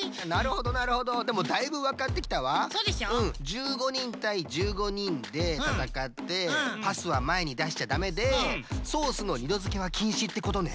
１５にんたい１５にんでたたかってパスはまえにだしちゃダメでソースの２どづけはきんしってことね。